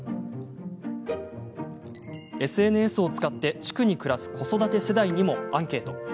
ＳＮＳを使って地区に暮らす子育て世代にもアンケート。